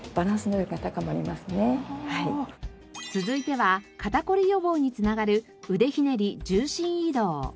続いては肩こり予防につながる腕ひねり重心移動。